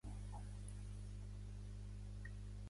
Dona, no comparis —terceja la senyora Dolors—.